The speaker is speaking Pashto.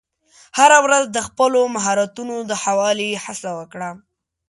هره ورځ د خپلو مهارتونو د ښه والي هڅه وکړه.